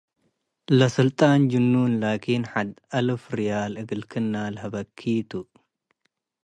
ለስልጣን ጅኑን ላኪን፣ “ሐድ አልፍ ርያል እግል ክና ለሀበኪ ቱ።